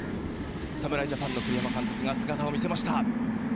侍ジャパンの栗山監督が姿を見せました。